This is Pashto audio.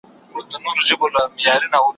ما د سبا لپاره د ليکلو تمرين کړی دی!